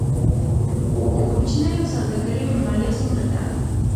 د کوچنیو سوداګریو مالیه څومره ده؟